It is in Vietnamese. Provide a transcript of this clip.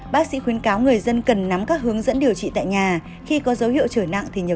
bác sĩ khuyến cáo người dân cần nắm các hướng dẫn điều trị tại nhà